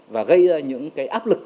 và gây ra những cái áp lực